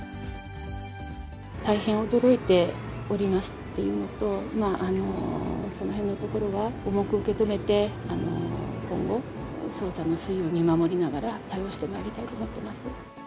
大変驚いておりますっていうのと、その辺のところは重く受け止めて、今後、捜査の推移を見守りながら対応してまいりたいと思ってます。